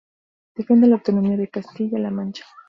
Defiende la autonomía de Castilla-La Mancha.